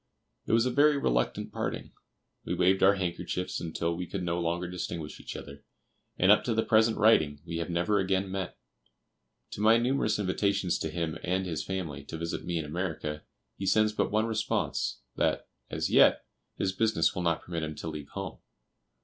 It was a very reluctant parting. We waved our handkerchiefs until we could no longer distinguish each other; and up to the present writing we have never again met. To my numerous invitations to him and his family, to visit me in America, he sends but one response, that, as yet, his business will not permit him to leave home.